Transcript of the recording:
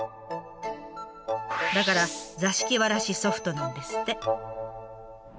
だから座敷わらしソフトなんですって。